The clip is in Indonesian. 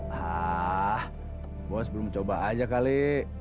hah bos belum coba aja kali